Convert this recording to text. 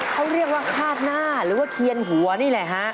เขาเรียกว่าคาดหน้าหรือว่าเคียนหัวนี่แหละฮะ